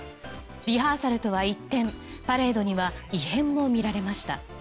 リハーサルとは一転パレードには異変も見られました。